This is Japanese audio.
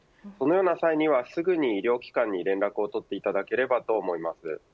そのような際にはすぐに医療機関に連絡を取っていただければと思います。